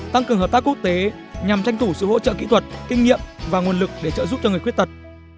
tăng cường hợp tác quốc tế nhằm tranh thủ sự hỗ trợ kỹ thuật kinh nghiệm và nguồn lực để trợ giúp cho người khuyết tật